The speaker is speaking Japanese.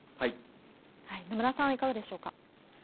野村さん、いかがでしょうか？